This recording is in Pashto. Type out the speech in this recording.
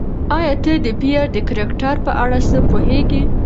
ایا ته د پییر د کرکټر په اړه څه پوهېږې؟